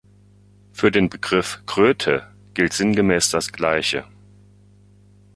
Für den Begriff „Kröte“ gilt sinngemäß das Gleiche.